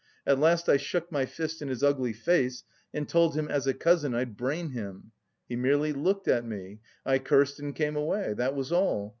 At last I shook my fist in his ugly face, and told him as a cousin I'd brain him. He merely looked at me, I cursed and came away. That was all.